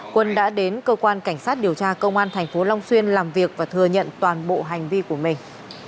quân đã đến cơ quan cảnh sát điều tra công an tp long xuyên làm việc và thừa nhận toàn bộ hành vi của mình